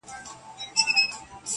د پښتو ادب نړۍ ده پرې روښانه,